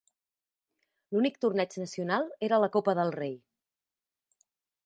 L'únic torneig nacional era la Copa del Rei.